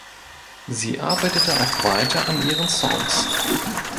Sie arbeitete auch weiter an ihren Songs.